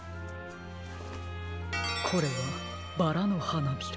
これはバラのはなびら。